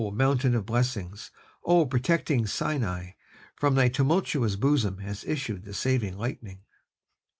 mountain of blessing, oh! protecting Sinai, from thy tumultuous bosom has issued the saving lightning....'